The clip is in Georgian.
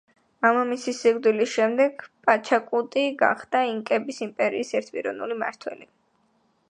მამამისის სიკვდილის შემდეგ, პაჩაკუტი გახდა ინკების იმპერიის ერთპიროვნული მმართველი.